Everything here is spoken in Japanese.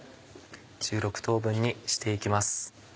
１６等分にして行きます。